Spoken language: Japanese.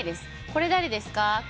これ誰ですか？